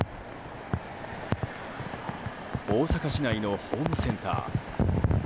大阪市内のホームセンター。